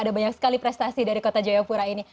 ada banyak sekali prestasi dari kota jayapura ini